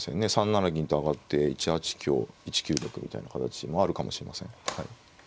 ３七銀と上がって１八香１九玉みたいな形もあるかもしれません。